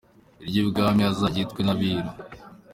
iry’ubwami azaryitwe n’abiru.